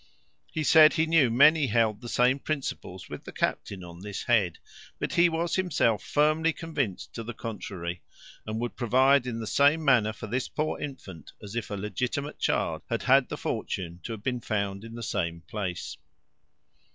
He said he knew many held the same principles with the captain on this head; but he was himself firmly convinced to the contrary, and would provide in the same manner for this poor infant, as if a legitimate child had had fortune to have been found in the same place."